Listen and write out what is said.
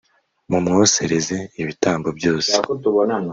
mumwosereze ibitambo byose